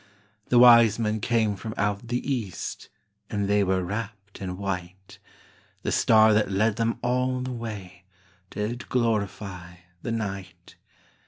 The wise men came from out the east, And they were wrapped in white; The star that led them all the way Did glorify the night.